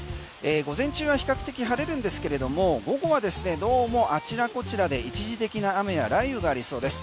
午前中は比較的晴れるんですが午後はですねどうもあちらこちらで一時的な雨や雷雨がありそうです。